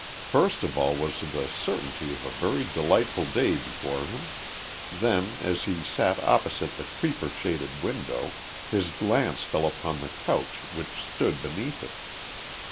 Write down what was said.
First of all was the certainty of a very delightful day before him: then, as he sat opposite the creeper shaded window, his glance fell upon the couch which stood beneath it.